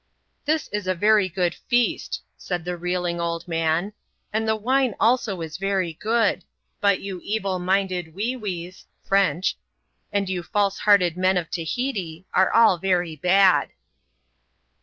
" This is a very good feast," said the reeling old man, " and the wine also is very good ; but you evil minded Wee Wees (French), and you false hearted men of Tahiti, are all very bad."